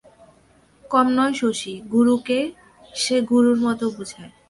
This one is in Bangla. কম নয় শশী, গুরুকে সে গুরুর মতো বোঝায়।